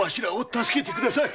助けてください！